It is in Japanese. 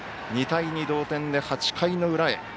２対２、同点で８回の裏へ。